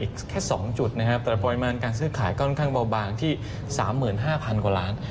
อีกแค่๒จุดนะครับแต่ปริมาณการซื้อขายก็ค่อนข้างเบาบางที่๓๕๐๐๐กว่าล้าน